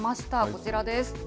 こちらです。